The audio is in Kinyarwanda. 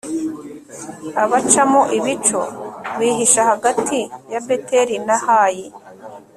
abacamo ibico, bihisha hagati ya beteli na hayi